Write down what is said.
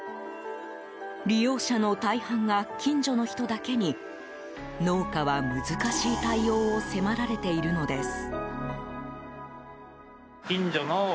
利用者の大半が、近所の人だけに農家は難しい対応を迫られているのです。